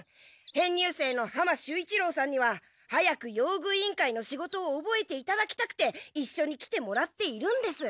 編入生の浜守一郎さんには早く用具委員会の仕事をおぼえていただきたくていっしょに来てもらっているんです。